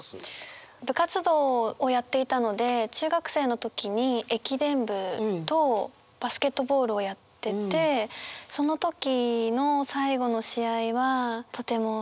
部活動をやっていたので中学生の時に駅伝部とバスケットボールをやっててその時の最後の試合はとても切なかったですね。